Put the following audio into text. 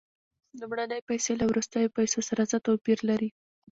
لومړنۍ پیسې له وروستیو پیسو سره څه توپیر لري